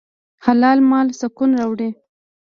حلال مال سکون راوړي.